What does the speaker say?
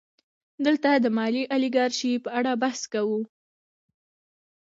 دلته د مالي الیګارشۍ په اړه بحث کوو